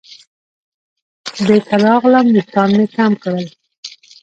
بېرته راغلم ویښتان مې کم کړل.